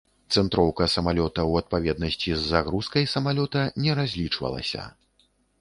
Цэнтроўка самалёта ў адпаведнасці з загрузкай самалёта не разлічвалася.